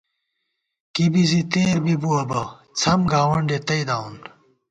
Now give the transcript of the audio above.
کی بی زی تېر بِبُوَہ بہ څھم گاونڈے تئ داوون